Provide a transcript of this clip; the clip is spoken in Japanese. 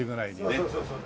そうそうそうそう。